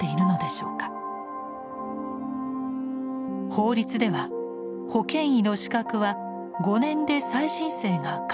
法律では保険医の資格は５年で再申請が可能です。